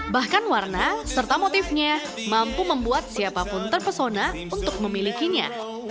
bahkan warna serta motifnya mampu membuat siapapun terpesona untuk memilikinya